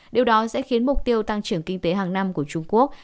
điều đó sẽ khiến mục tiêu tăng trưởng kinh tế hàng năm của trung quốc